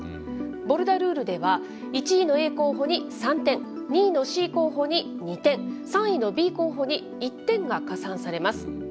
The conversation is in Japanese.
ボルダルールでは、１位のＡ候補に３点、２位のＣ候補に２点、３位のＢ候補に１点が加算されます。